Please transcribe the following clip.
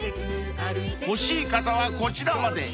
［欲しい方はこちらまで］